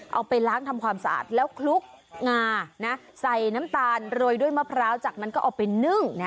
เอาไปล้างทำความสะอาดแล้วคลุกงาใส่น้ำตาลโรยด้วยมะพร้าวจากนั้นก็เอาไปนึ่งนะ